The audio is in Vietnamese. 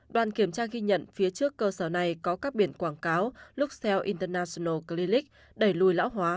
đoàn kiểm tra ghi nhận phía trước cơ sở này có các biển quảng cáo luxell international clinic đẩy lùi lão hóa